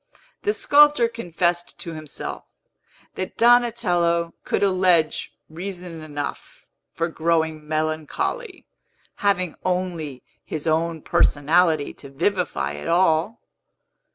The sculptor confessed to himself, that Donatello could allege reason enough for growing melancholy, having only his own personality to vivify it all.